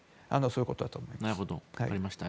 そういうことだと思います。